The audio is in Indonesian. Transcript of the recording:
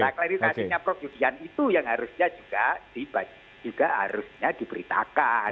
nah klarifikasinya prof yudhian itu yang harusnya juga diberitakan